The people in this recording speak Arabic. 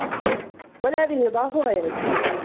وَلَا لِرِضَاهُ غَايَةٌ